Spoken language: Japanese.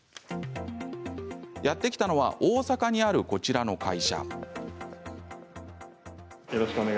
やって来たのは大阪にあるこちらの会社。